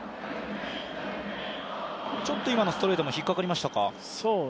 今のストレートも引っかかりましたか？